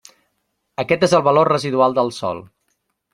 Aquest és el valor residual del sòl.